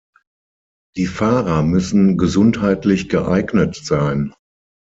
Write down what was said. Die Fahrer müssen gesundheitlich geeignet sein.